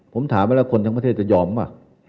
ผมถามว่าคนทั้งประเทศจะยอมป่ะ